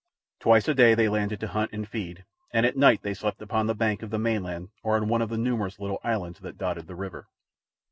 Twice a day they landed to hunt and feed, and at night they slept upon the bank of the mainland or on one of the numerous little islands that dotted the river.